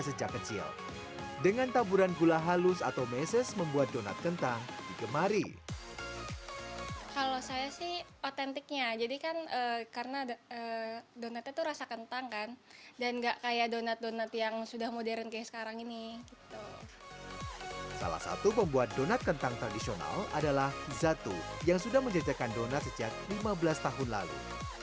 salah satu pembuat donat kentang tradisional adalah zatu yang sudah menjejakan donat sejak lima belas tahun lalu